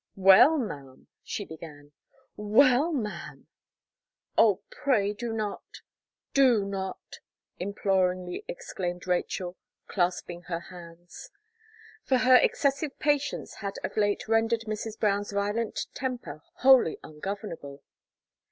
"Well, ma'am," she began; "well, ma'am!" "Oh! pray do not do not!" imploringly exclaimed Rachel, clasping her hands. For her excessive patience had of late rendered Mrs. Brown's violent temper wholly ungovernable.